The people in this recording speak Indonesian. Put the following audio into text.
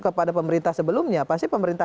kepada pemerintah sebelumnya pasti pemerintah